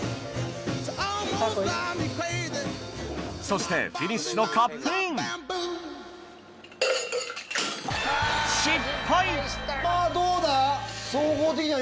そしてフィニッシュのカップインまぁどうだ？